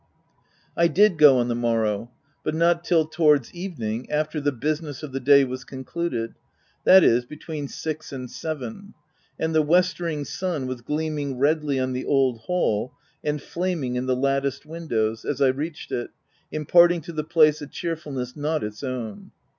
I did go on the morrow ; but not till towards evening, after the business of the day was con cluded, that is between six and seven ; and the westering sun was gleaming redly on the old hall, and flaming in the latticed windows, as I reached it, imparting to the place a cheerful 253 THE TENANT ness not its own.